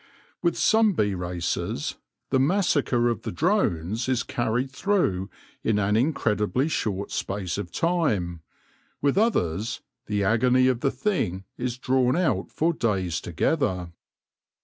With some bee races the massacre of the drones is carried through in an incredibly short space of time ; with others the agony of the thing is drawn out for days together.